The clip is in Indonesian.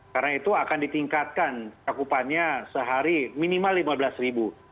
karena itu akan ditingkatkan cakupannya sehari minimal lima belas ribu